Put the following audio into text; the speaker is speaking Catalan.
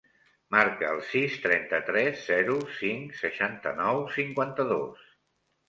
Marca el sis, trenta-tres, zero, cinc, seixanta-nou, cinquanta-dos.